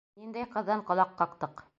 Ниндәй ҡыҙҙан ҡолаҡ ҡаҡтыҡ.